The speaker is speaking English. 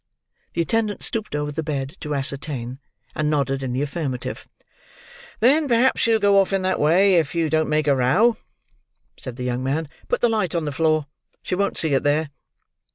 The attendant stooped over the bed, to ascertain; and nodded in the affirmative. "Then perhaps she'll go off in that way, if you don't make a row," said the young man. "Put the light on the floor. She won't see it there."